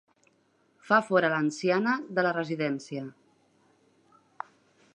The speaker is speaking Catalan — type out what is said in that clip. Fa fora l'anciana de la residència.